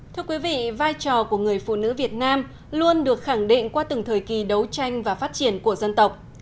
thưa quý vị vai trò của người phụ nữ việt nam luôn được khẳng định qua từng thời kỳ đấu tranh và phát triển của dân tộc